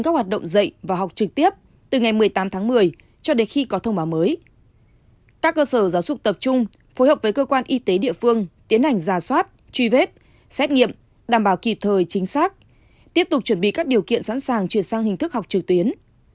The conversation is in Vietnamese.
các doanh nghiệp trong và ngoài khu công nghiệp thụy vân cần tiến hành giả soát truy vết xét nghiệm đảm bảo kịp thời chính xác tiếp tục chuẩn bị các điều kiện sẵn sàng chuyển sang hình thức học trực tuyến